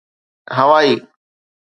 هوائي